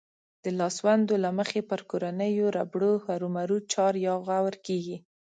د لاسوندو له مخې به پر کورنيو ربړو هرومرو چار يا غور کېږي.